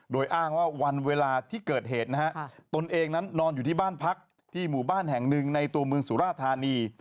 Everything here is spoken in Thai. โดยอ้างว่าวันเวลาที่เกิดเหตุนะฮะตนเองนั้นนอนอยู่ที่บ้านพักที่หมู่บ้านแห่งหนึ่งในตัวเมืองสุราธานี